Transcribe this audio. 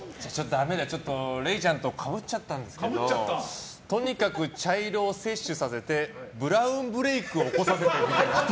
ダメだ、れいちゃんとかぶっちゃったんですけどとにかく茶色を摂取させてブラウンブレークを起こさせる。